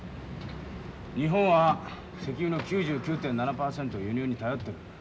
日本は石油の９９．７％を輸入に頼ってる。